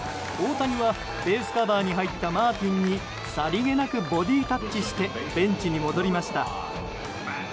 大谷はベースカバーに入ったマーティンにさりげなくボディータッチしてベンチに戻りました。